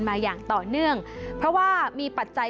มาอย่างต่อเนื่องเพราะว่ามีปัจจัย